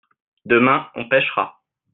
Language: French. demain on pêchera.